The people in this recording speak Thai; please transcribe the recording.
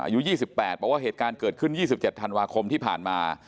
อายุ๒๘บอกว่าเหตุการณ์เกิดขึ้น๒๗ธันวาคมที่ผ่านมา